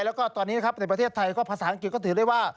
แล้วก็ตอนนี้นะครับในประเทศไทยก็ภาษาอังกฤษก็ถือได้ว่า